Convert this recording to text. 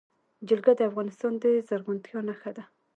جلګه د افغانستان د زرغونتیا نښه ده.